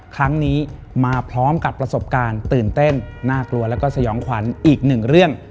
ครั้งนี้มาพร้อมกับประสบการณ์ตื่นเต้นน่ากลัวแล้วก็สยองขวัญอีกหนึ่งเรื่อง